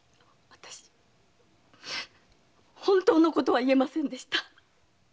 本当のことは言えませんでした。